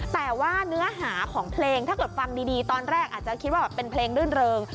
แต่ว่าเนื้อหาของเพลงถ้าเกิดฟังดีตอนแรกอาจจะคิดว่าเป็นเพลงรื่นเริง